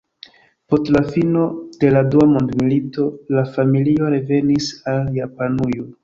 Post la fino de la Dua Mondmilito la familio revenis al Japanujo.